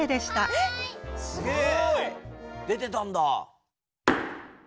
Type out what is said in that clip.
すげえ！出てたんだ。